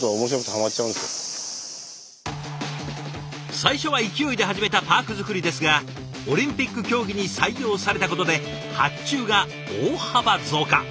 最初は勢いで始めたパーク作りですがオリンピック競技に採用されたことで発注が大幅増加。